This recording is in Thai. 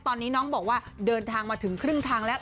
ตอนนี้น้องบอกว่าเดินทางมาถึงครึ่งทางแล้ว